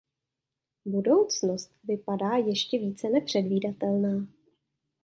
Budoucnost vypadá ještě více nepředvídatelná.